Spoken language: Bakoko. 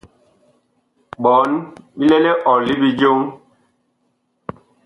Bɔɔn bi lɛ liɔl li bijoŋ.